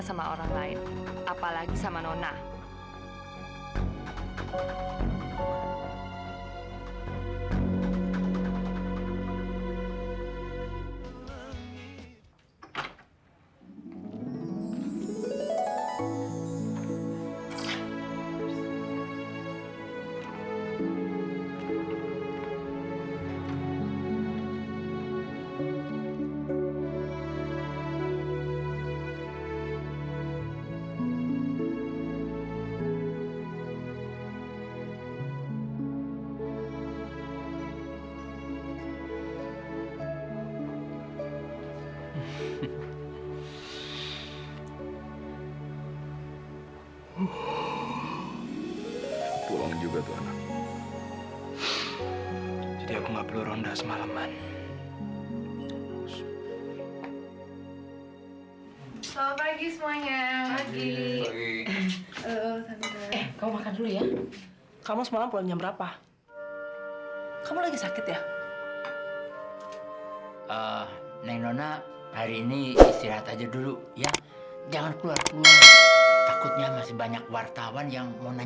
sampai jumpa di video selanjutnya